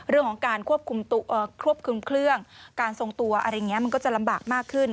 เรื่องของการควบคุมเครื่องการทรงตัวมันก็จะลำบากมากขึ้น